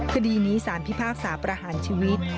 คดีนี้สารพิพากษาประหารชีวิต